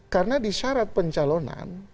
karena di syarat pencalonan